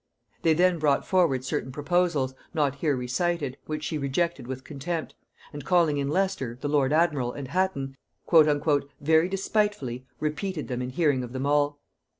They then brought forward certain proposals, not here recited, which she rejected with contempt; and calling in Leicester, the lord admiral, and Hatton, "very despitefully" repeated them in hearing of them all.